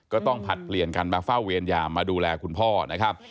ก็ต้องผัดเรียนกันมาเฝ้าเวียนยามมาดูแลคุณพ่อนะครับ